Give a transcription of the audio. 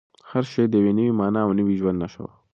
هر شی د یوې نوې مانا او نوي ژوند نښه وه.